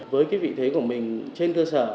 với vị thế của mình trên cơ sở